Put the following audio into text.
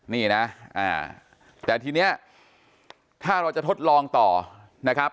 นี่นะแต่ทีนี้ถ้าเราจะทดลองต่อนะครับ